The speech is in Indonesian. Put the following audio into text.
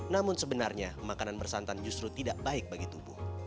namun sebenarnya makanan bersantan justru tidak baik bagi tubuh